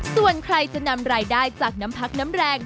ส่วนใครจะนำรายได้จากน้ำพักน้ำแรง